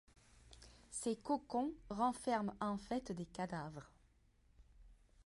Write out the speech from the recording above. Ces cocons renferment en fait des cadavres.